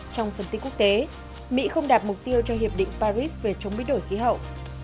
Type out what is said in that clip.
trong phần tin quốc tế mỹ không đạt mục tiêu cho hiệp định paris về chống biến đổi khí hậu